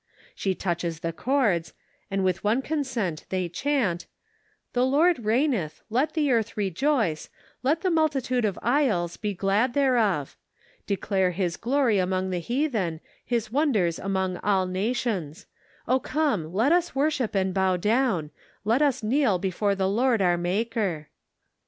She touches the chords, and with one consent they chant : "The Lord reigneth, let the earth rejoice, let the multitude of isles be glad thereof. Declare his glory among the heathen, his wonders among all nations. O come, let 'US worship and bow down, let us kneel before the Lord our maker."